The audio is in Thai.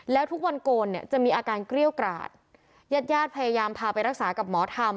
แล้วทุกวันโกนเนี่ยจะมีอาการเกรี้ยวกราดญาติญาติพยายามพาไปรักษากับหมอธรรม